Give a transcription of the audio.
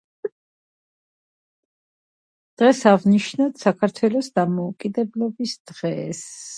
ყურადღება ექცეოდა ფიზიკური კულტურისა და სპორტის განვითარებას.